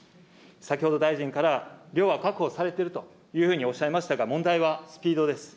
先ほど大臣から、量は確保されているというふうにおっしゃいましたが、問題はスピードです。